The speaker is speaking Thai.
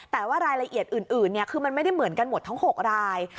แต่ว่ารายละเอียดอื่นคือมันไม่ได้เหมือนกันหมดทั้ง๖ราย